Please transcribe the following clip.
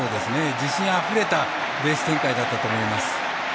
自信あふれたレース展開だったと思います。